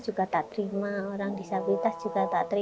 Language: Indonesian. jujur orang yang